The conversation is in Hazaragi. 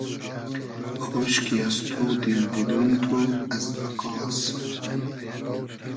خۉشکی از تو دیل دیدۉن تو از بئقاس